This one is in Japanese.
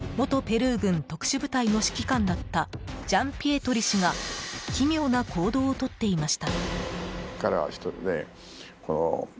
そのころ、人質の１人元ペルー軍特殊部隊の指揮官だったジャンピエトリ氏が奇妙な行動をとっていました。